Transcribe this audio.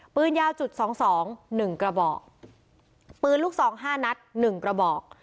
ปืนยาวจุดสองสองหนึ่งกระบอกปืนลูกซองห้านัดหนึ่งกระบอก